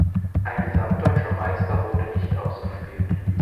Ein gesamtdeutscher Meister wurde nicht ausgespielt.